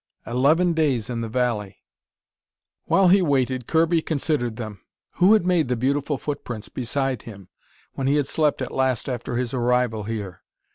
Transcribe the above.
Eleven days in the valley! While he waited, Kirby considered them. Who had made the beautiful footprints beside him, when he had slept at last after his arrival here?